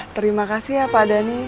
terima kasih ya pak adani